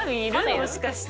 もしかして。